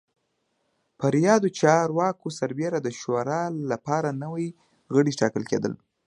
پر یادو چارواکو سربېره د شورا لپاره نوي غړي ټاکل کېدل